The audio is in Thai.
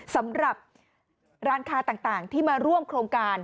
สำหรับร้านค้าต่างที่มาร่วมโครงการ